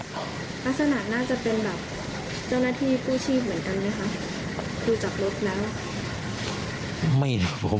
ลักษณะน่าจะเป็นแบบเจ้าหน้าที่กู้ชีพเหมือนกันไหมคะดูจากรถแล้วไม่รู้